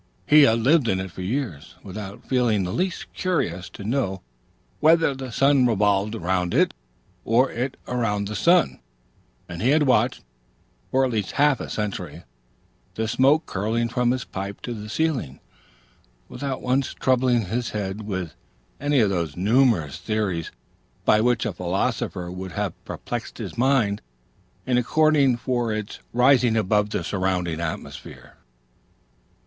He had lived in it for years, without feeling the least curiosity to know whether the sun revolved round it, or it round the sun; and he had watched, for at least half a century, the smoke curling from his pipe to the ceiling, without once troubling his head with any of those numerous theories by which a philosopher would have perplexed his brain, in accounting for its rising above the surrounding atmosphere.